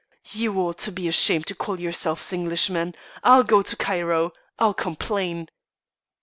You ought to be ashamed to call yourselves Englishmen. I'll go to Cairo. I'll complain."